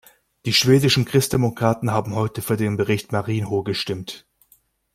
Die schwedischen Christdemokraten haben heute für den Bericht Marinho gestimmt.